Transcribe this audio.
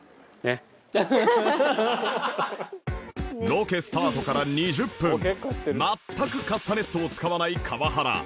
ロケスタートから２０分全くカスタネットを使わない川原